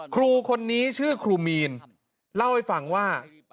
ครูคนนี้ชื่อครูมีนเล่าให้ฟังว่า